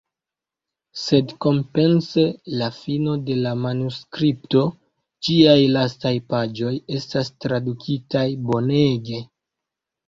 Sed kompense la fino de la manuskripto, ĝiaj lastaj paĝoj, estas tradukitaj bonege.